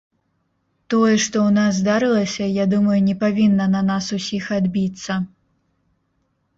Тое, што ў нас здарылася, я думаю, не павінна на нас усіх адбіцца.